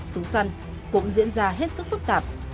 súng săn cũng diễn ra hết sức phức tạp